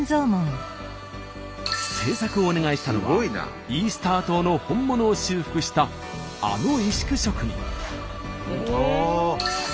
製作をお願いしたのはイースター島の本物を修復したあの石工職人。